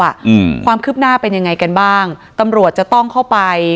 อืมความคืบหน้าเป็นยังไงกันบ้างตำรวจจะต้องเข้าไป